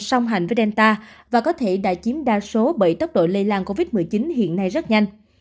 song hành với delta và có thể đã chiếm đa số bởi tốc độ lây lan covid một mươi chín hiện nay rất nhanh